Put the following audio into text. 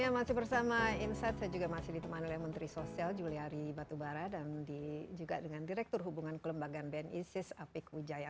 ya masih bersama insight saya juga masih ditemani oleh menteri sosial juliari batubara dan juga dengan direktur hubungan kelembagaan bni sis apik wijaya